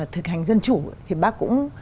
thực hành dân chủ thì bác cũng